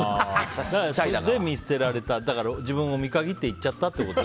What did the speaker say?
それで見捨てられた自分を見限っていっちゃったってこと。